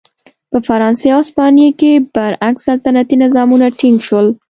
په فرانسې او هسپانیې کې برعکس سلطنتي نظامونه ټینګ شول.